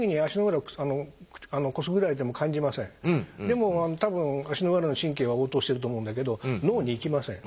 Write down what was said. でも多分足の裏の神経は応答してると思うんだけど脳に行きません。